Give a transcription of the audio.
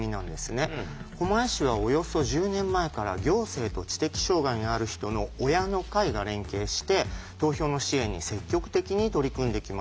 狛江市はおよそ１０年前から行政と知的障害のある人の親の会が連携して投票の支援に積極的に取り組んできました。